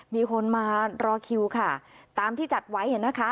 มีคนมารอคิวค่ะตามที่จัดไว้นะคะ